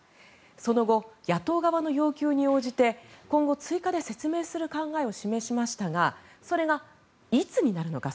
その後、野党側の要求に応じて今後、追加で説明する考えを示しましたがそれがいつになるのか